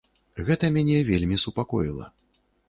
Гэта мяне вельмі супакоіла.